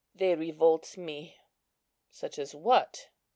They revolt me." "Such as what?"